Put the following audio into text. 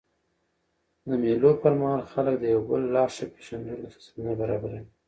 د مېلو پر مهال خلک د یو بل لا ښه پېژندلو ته زمینه برابروي.